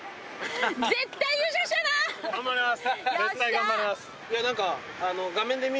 頑張ります！